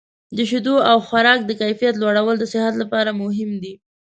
د شیدو او خوراک د کیفیت لوړول د صحت لپاره مهم دي.